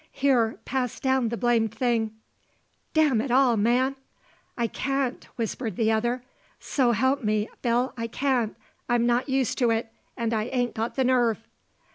"Here, pass down the blamed thing ... d n it all, man!" "I can't!" whimpered the other. "S'help me, Bill, I can't. ... I'm not used to it, and I ain't got the nerve."